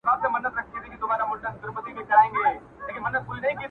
زه گنهـكار يــم مــــا گـنــاه كــــــړېــــــده_